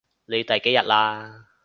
你第幾日喇？